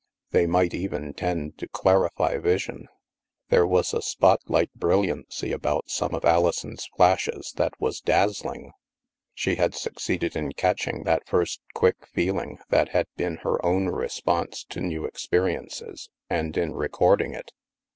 They might even tend to clarify vision! There was a spotlight bril liancy about some of Alison's flashes that was daz zling. She had succeeded in catching that first quick feeling that had been her own response to new experiences, and in recording it.